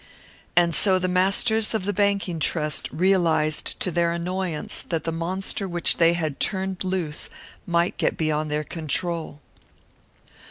And so the masters of the Banking Trust realised to their annoyance that the monster which they had turned loose might get beyond their control.